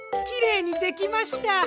きれいにできました。